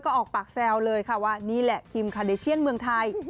ก็ออกปากแซวเลยค่ะว่านี่แหละคิมคาเดเชียนเมืองไทย